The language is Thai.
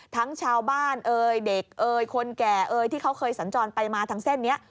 ทั้งชาวบ้านเอ่ยเด็กเอ่ยคนแก่เอ่ยที่เขาเคยสัญจรไปมาทางเส้นนี้